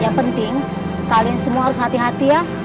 yang penting kalian semua harus hati hati ya